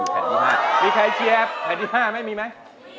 แผ่นที่๕ไม่มีมั้ย